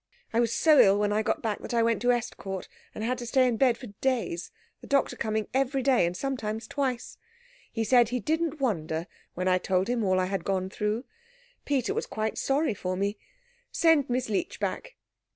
I was so ill when I got back that I went to Estcourt, and had to stay in bed for days, the doctor coming every day, and sometimes twice. He said he didn't wonder, when I told him all I had gone through. Peter was quite sorry for me. Send Miss Leech back.